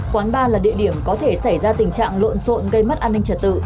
quán ba là địa điểm có thể xảy ra tình trạng lộn xộn gây mất an ninh trật tự